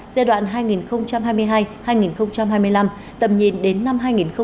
giai đoạn hai nghìn hai mươi hai hai nghìn hai mươi năm tầm nhìn đến năm hai nghìn ba mươi